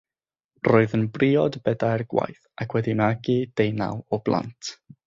Roedd yn briod bedair gwaith ac wedi magu deunaw o blant.